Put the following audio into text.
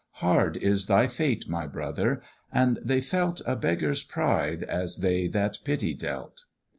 Hard is thy fate my brother," and they felt A beggar's pride as they that pity dealt.